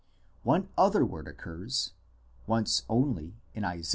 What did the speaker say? One other word occurs (once only, in Isa.